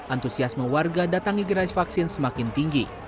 antusiasme warga datangi gerai vaksin semakin tinggi